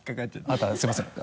「あた」すみません。